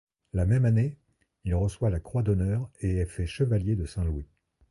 La même année, il reçoit la Croix d'honneur et est fait Chevalier de Saint-Louis.